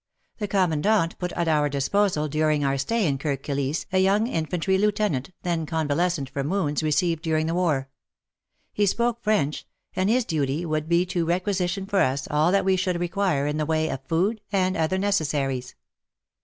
The Commandant put at our disposal during our stay in Kirk Kilisse a young Infantry lieutenant, then convalescent from wounds received during the war. He spoke French, and his duty would be to requisi tion for us all that we should require in the way of food and other necessaries.